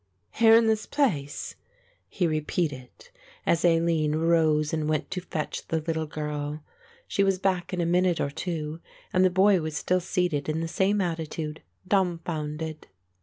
"Here in this place!" he repeated as Aline rose and went to fetch the little girl. She was back in a minute or two and the boy was still seated in the same attitude, dumbfounded.